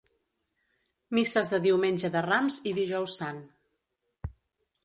Misses de Diumenge de Rams i Dijous Sant.